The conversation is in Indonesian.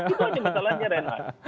itu saja masalahnya renat